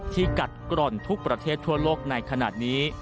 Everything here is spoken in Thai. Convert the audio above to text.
กัดกร่อนทุกประเทศทั่วโลกในขณะนี้